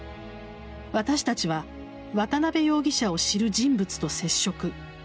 私たちは渡辺容疑者を知る人物と接触。